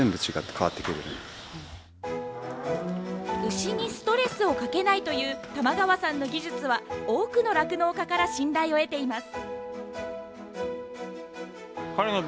牛にストレスをかけないという玉川さんの技術は多くの酪農家から信頼を得ています。